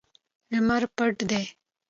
لمر پټ دی